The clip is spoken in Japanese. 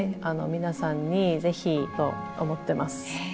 皆さんにぜひと思ってます。